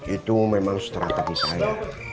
itu memang strategi saya